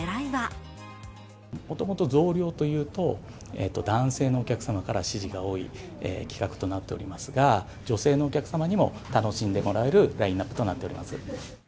もともと増量というと、男性のお客様から支持が多い企画となっておりますが、女性のお客様にも楽しんでもらえるラインナップとなっております。